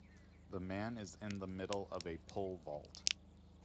the man is in the middle of a pole vault